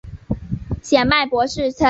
显脉柏氏参